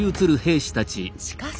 しかし。